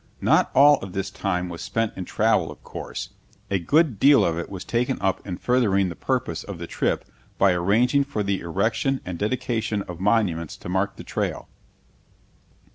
Not all of this time was spent in travel, of course; a good deal of it was taken up in furthering the purpose of the trip by arranging for the erection and dedication of monuments to mark the Trail.